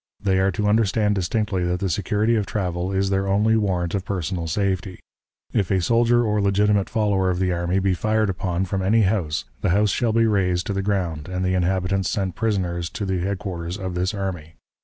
They are to understand distinctly that the security of travel is their only warrant of personal safety. ... If a soldier or legitimate follower of the army be fired upon from any house, the house shall be razed to the ground and the inhabitants sent prisoners to the headquarters of this army.